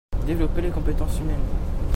Développer les compétences humaines.